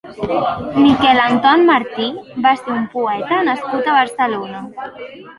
Miquel Anton Martí va ser un poeta nascut a Barcelona.